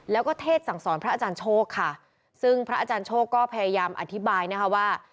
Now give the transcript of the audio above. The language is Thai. แล้วก็เทศสั่งสอนพระอาจารย์โชคค่ะซึ่งพระอาจารย์โชคก็พยายามอธิบายนะคะว่า